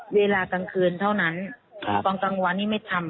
เวลากลางคืนเท่านั้นตอนกลางวันนี้ไม่ทำ